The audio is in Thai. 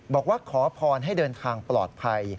บอกว่าขอพรให้เดินทางปลอดภัย